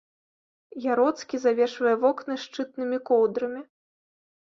Яроцкі завешвае вокны шчытнымі коўдрамі.